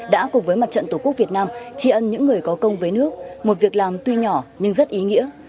đã cùng với mặt trận tổ quốc việt nam tri ân những người có công với nước một việc làm tuy nhỏ nhưng rất ý nghĩa